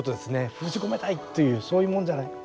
封じ込めたいというそういうもんじゃないのか。